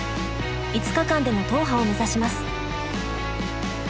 ５日間での踏破を目指します。